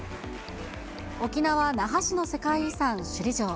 沖縄・那覇市の世界遺産、首里城。